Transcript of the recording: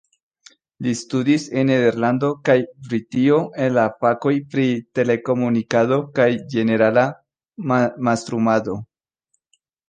Li studis en Nederlando kaj Britio en la fakoj pri telekomunikado kaj ĝenerala mastrumado.